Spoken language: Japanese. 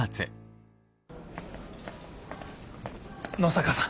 野坂さん